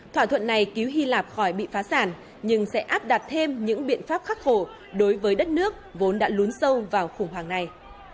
thỏa thuận này cứu hy lạp khỏi bị phá sản nhưng sẽ áp đặt thêm những biện pháp khắc khổ đối với đất nước vốn đã lún sâu vào khủng hoảng này